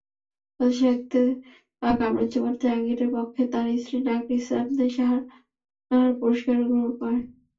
কথাসাহিত্যে কামরুজ্জামান জাহাঙ্গীরের পক্ষে তাঁর স্ত্রী নারগিস নাহার পুরস্কার গ্রহণ করেন।